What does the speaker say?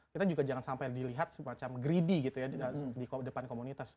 kita juga jangan sampai dilihat semacam greedy gitu ya di depan komunitas